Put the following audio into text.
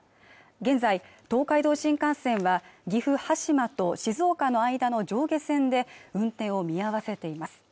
現在東海道新幹線は岐阜羽島と静岡の間の上下線で運転を見合わせています